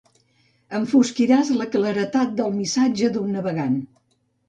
Enfosquiràs la claredat del missatge d'un navegant.